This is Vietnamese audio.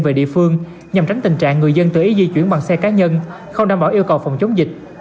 về địa phương nhằm tránh tình trạng người dân tự ý di chuyển bằng xe cá nhân không đảm bảo yêu cầu phòng chống dịch